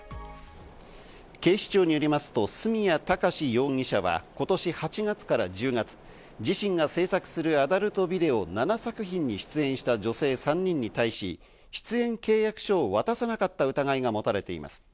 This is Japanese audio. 警視庁によりますと角谷貴史容疑者は今年８月から１０月、自身が制作するアダルトビデオ７作品に出演した女性３人に対し、出演契約書を渡さなかった疑いが持たれています。